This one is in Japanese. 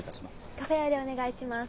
カフェオレお願いします。